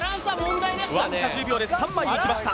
わずか１０秒で３枚いきました